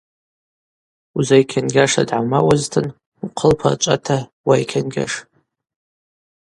Узайкьангьашра дгӏамауазтын, ухъылпа рчӏвата уайкьангьаш.